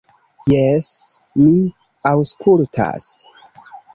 "Jes, mi aŭskultas."